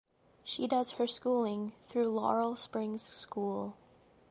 She does her schooling through Laurel Springs School.